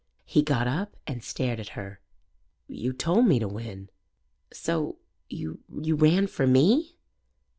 He got up and stared at her. "Yo' told me to win." "So you ran for me?"